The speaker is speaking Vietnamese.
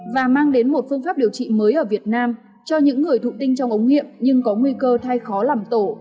và mang đến một phương pháp điều trị mới ở việt nam cho những người thụ tinh trong ống nghiệm nhưng có nguy cơ thai khó làm tổ